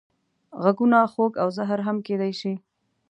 غږونه خوږ او زهر هم کېدای شي